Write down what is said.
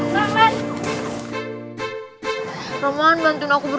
siapa ya lordudus